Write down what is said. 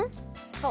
そう！